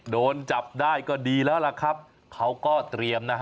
โดนจับได้ก็ดีแล้วล่ะครับเขาก็เตรียมนะฮะ